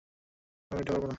আমি এটা করব না!